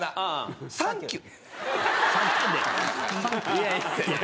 いやいやいや。